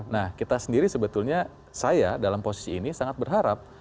nah kita sendiri sebetulnya saya dalam posisi ini sangat berharap